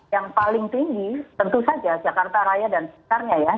yang paling tinggi tentu saja jakarta raya dan sekitarnya ya